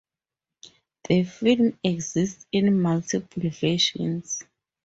The film exists in multiple versions.